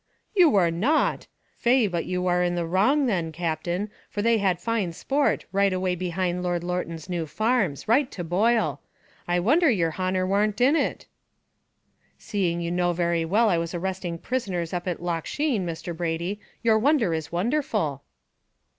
"You war not! faix but you war in the wrong then, Captain, for they had fine sport, right away behind Lord Lorton's new farms right to Boyle. I wonder yer honer warn't in it." "Seeing you know very well I was arresting prisoners up at Loch Sheen, Mr. Brady, your wonder is wonderful."